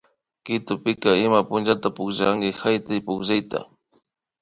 Quitopika ima punllata pukllanki haytaypukllayta